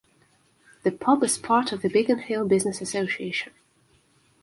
The pub is part of the Beacon Hill Business Association.